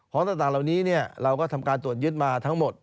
ต่างเหล่านี้เราก็ทำการตรวจยึดมาทั้งหมด